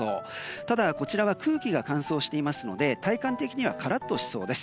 ただ、こちらは空気が乾燥しているので体感的にはカラッとしそうです。